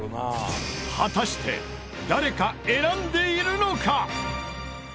果たして誰か選んでいるのか！？